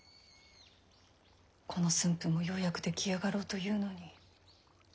この駿府もようやく出来上がろうというのに。